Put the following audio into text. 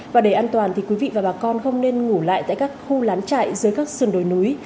và để an toàn thì quý vị và bà con không nên ngủ lại tại các khu lán trại dưới các sườn đồi núi